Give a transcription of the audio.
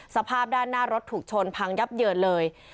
สภาพด้านหน้ารถถูกชนพังยับเยินเลย